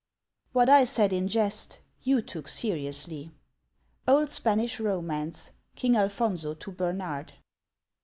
What I said in jest, you took seriously. — Old Spanish Romance (King Alfonso to Bernard).